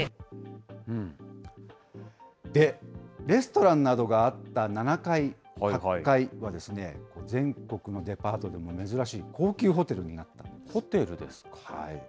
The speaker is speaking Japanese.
レストランなどがあった７階、８階は、全国のデパートでも珍しい高級ホテルになったんです。